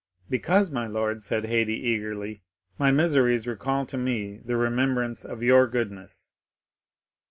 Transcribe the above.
"Because, my lord," said Haydée eagerly, "my miseries recall to me the remembrance of your goodness."